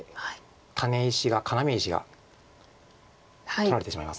タネ石が要石が取られてしまいます。